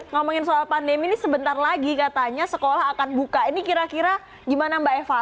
ngomongin soal pandemi ini sebentar lagi katanya sekolah akan buka ini kira kira gimana mbak eva